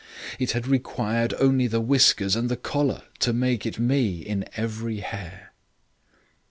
It had required only the whiskers and the collar to make it me in every hair.